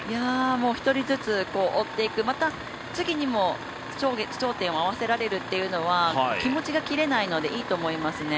１人ずつ追っていくまた次にも焦点を合わせられるというのは気持ちが切れないのでいいと思いますね